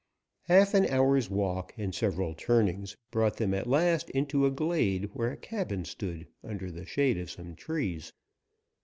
Half an hour's walk and several turnings brought them at last into a glade where a cabin stood under the shade of some trees.